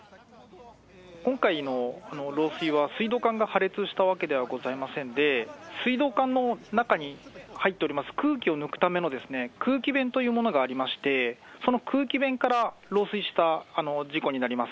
今回の漏水は、水道管が破裂したわけではございませんで、水道管の中に入っております、空気を抜くための空気弁というものがありまして、その空気弁から漏水した事故になります。